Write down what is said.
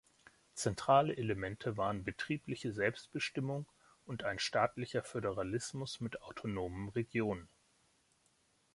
Zentrale Elemente waren betriebliche Selbstbestimmung und ein staatlicher Föderalismus mit autonomen Regionen.